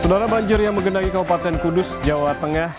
saudara banjir yang menggenangi kabupaten kudus jawa tengah